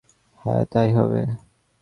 হাঁ, তাই হবে।